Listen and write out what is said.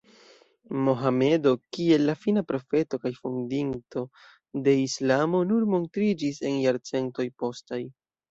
Mohamedo kiel la fina profeto kaj fondinto de islamo nur montriĝis en jarcentoj postaj.